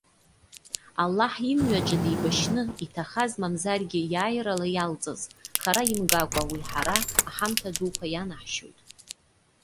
Аллаҳ имҩаҿы деибашьны, иҭахаз, мамзаргьы иааирала иалҵыз, хара имгакәа уи ҳара, аҳамҭа дуқәа ианаҳшьоит.